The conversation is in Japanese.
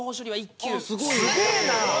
すげえな！